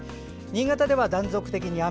新潟では断続的に雨。